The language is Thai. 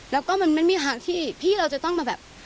แล้วก็มันไม่มีทางที่พี่เราจะต้องมาแบบ